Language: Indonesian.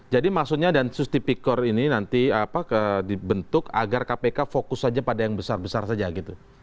jadi maksudnya densus tipikor ini nanti dibentuk agar kpk fokus saja pada yang besar besar saja gitu